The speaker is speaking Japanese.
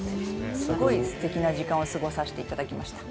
すごい素敵な時間を過ごさせていただきました。